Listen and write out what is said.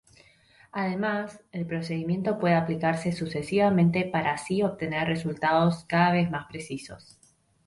Además, el procedimiento puede aplicarse sucesivamente para así obtener resultados cada vez más precisos.